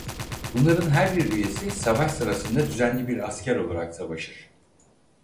Bunların her bir üyesi savaş sırasında düzenli bir asker olarak savaşır.